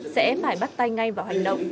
sẽ phải bắt tay ngay vào hành động